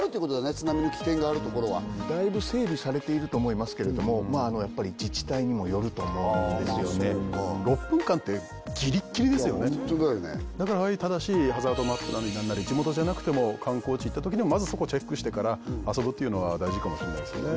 津波の危険がある所はだいぶ整備されていると思いますけれどもまあやっぱりホントだよねだからああいう正しいハザードマップなり何なり地元じゃなくても観光地行った時にはまずそこチェックしてから遊ぶっていうのは大事かもしれないですよね